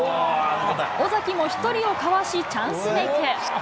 尾崎も１人をかわし、チャンスメーク。